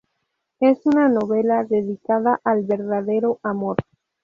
Es una novela dedicada al verdadero amor.